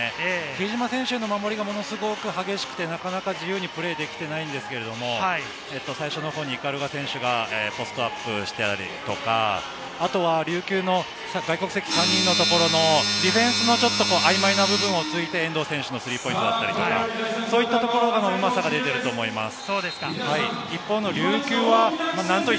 比江島選手の守りがものすごく激しくて、なかなか自由にプレーできていないんですけれども、最初のほうに鵤選手がポストアップしていたりとか、あとは琉球の外国籍３人のところのディフェンス、あいまいなところを突いての遠藤選手のプレーだったりとか、そこのうまさが出ていると思います。